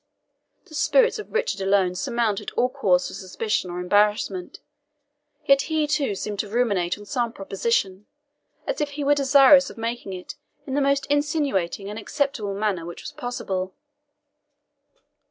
The spirits of Richard alone surmounted all cause for suspicion or embarrassment. Yet he too seemed to ruminate on some proposition, as if he were desirous of making it in the most insinuating and acceptable manner which was possible.